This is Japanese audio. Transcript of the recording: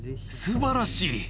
すばらしい。